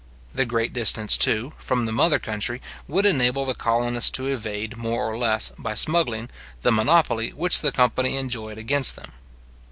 The great distance, too, from the mother country, would enable the colonists to evade more or less, by smuggling, the monopoly which the company enjoyed against them.